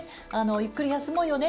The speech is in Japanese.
ゆっくり休もうよね。